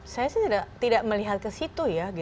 saya sih tidak melihat ke situ ya